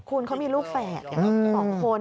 คุณเขามีลูกแฝด๒คน